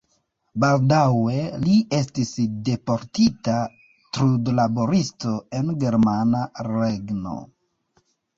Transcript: Baldaŭe li estis deportita trudlaboristo en Germana Regno.